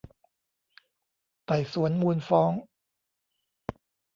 ไต่สวนมูลฟ้อง